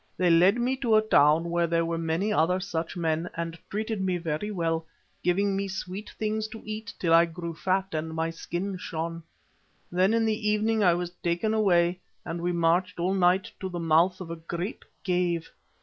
They led me to a town where there were many other such men, and treated me very well, giving me sweet things to eat till I grew fat and my skin shone. Then in the evening I was taken away, and we marched all night to the mouth of a great cave.